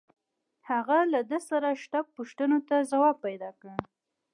هغه له ده سره شته پوښتنو ته ځواب پیدا کړ